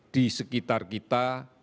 di sekitar kita